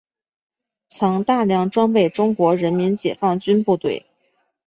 曾大量装备中国人民解放军部队。